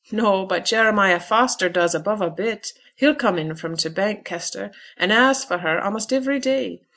'No; but Jeremiah Foster does above a bit. He'll come in fro' t' Bank, Kester, and ask for her, a'most ivery day.